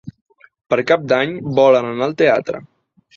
Per Cap d'Any volen anar al teatre.